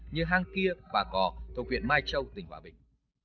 như hang kia bà cò thông viện mai châu tỉnh hòa bình